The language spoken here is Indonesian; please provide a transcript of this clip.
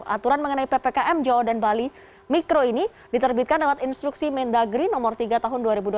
aturan mengenai ppkm jawa dan bali mikro ini diterbitkan lewat instruksi mendagri nomor tiga tahun dua ribu dua puluh